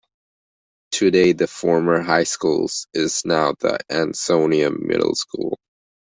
Today the former high school is now the Ansonia Middle School.